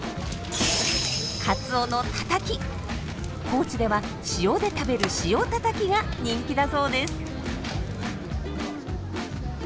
高知では塩で食べる「塩たたき」が人気だそうです。